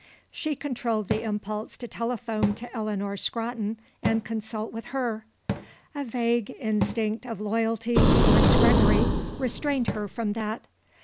She controlled the impulse to telephone to Eleanor Scrotton and consult with her; a vague instinct of loyalty towards Gregory restrained her from that.